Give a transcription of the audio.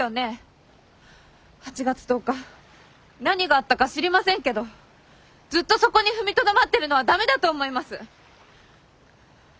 ８月１０日何があったか知りませんけどずっとそこに踏みとどまってるのは駄目だと思います！